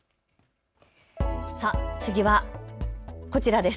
次は、こちらです。